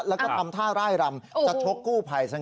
แล้วก็ทำท่าร่ายรำจะชกกู้ภัยซะงั้น